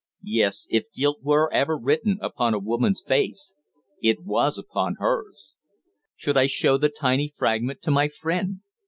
Yes, if guilt were ever written upon a woman's face, it was upon hers. Should I show the tiny fragment to my friend?